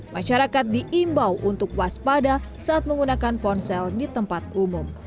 masyarakat diimbau untuk waspada saat menggunakan ponsel di tempat umum